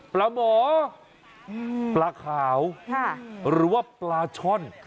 ปลาหมอปลาขาวหรือว่าปลาช่อน